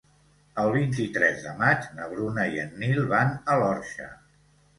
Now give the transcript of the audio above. El vint-i-tres de maig na Bruna i en Nil van a l'Orxa.